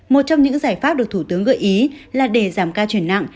một trong những giải pháp được thủ tướng gợi ý là để giảm ca chuyển nặng